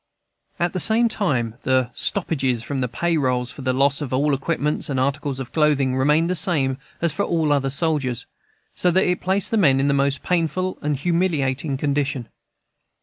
At the same time the "stoppages" from the pay rolls for the loss of all equipments and articles of clothing remained the same as for all other soldiers, so that it placed the men in the most painful and humiliating condition.